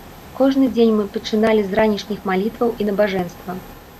Кожны дзень мы пачыналі з ранішніх малітваў і набажэнства.